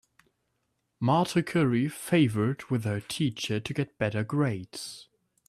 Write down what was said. Marta curry favored with her teacher to get better grades.